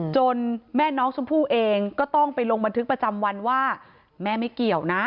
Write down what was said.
แม่น้องชมพู่เองก็ต้องไปลงบันทึกประจำวันว่าแม่ไม่เกี่ยวนะ